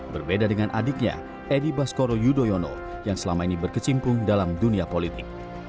berbeda dengan adiknya edi baskoro yudhoyono yang selama ini berkecimpung dalam dunia politik